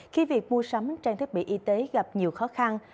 khi việc mua sắm trang thiết bị y tế gặp nhiều khó khăn